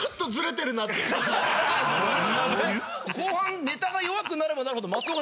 後半ネタが弱くなればなるほど。